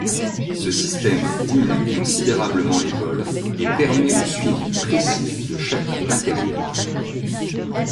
Ce système diminue considérablement les vols et permet le suivi précis de chaque matériel.